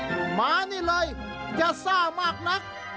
ก็มานี่เลยอย่าซ่ามากนัก